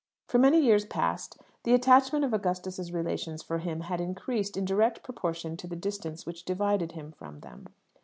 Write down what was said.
For many years past the attachment of Augustus's relations for him had increased in direct proportion to the distance which divided him from them.